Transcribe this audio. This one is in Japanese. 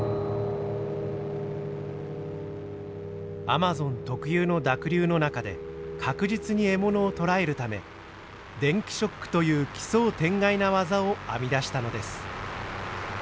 アマゾン特有の濁流の中で確実に獲物を捕らえるため電気ショックという奇想天外な技を編み出したのです。